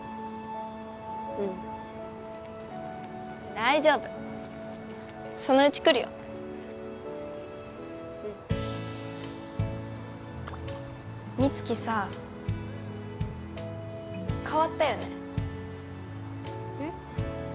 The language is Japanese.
うん大丈夫そのうち来るようん美月さ変わったよねえっ？